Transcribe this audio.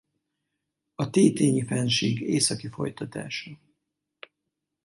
A Tétényi-fennsík északi folytatása.